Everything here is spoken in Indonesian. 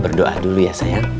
berdoa dulu ya sayang